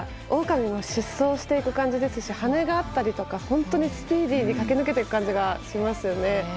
オオカミも疾走していく感じですし羽があったりとか本当にスピーディーに駆け抜けていく感じがしますね。